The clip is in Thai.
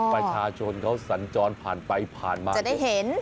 ประชาชนเขาสัญจรผ่านไปผ่านมาจะได้เห็น